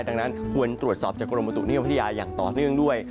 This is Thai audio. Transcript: ดังนั้นควรตรวจสอบจากกรมประตุนิยมพัทยาอย่างต่อเนื่องด้วย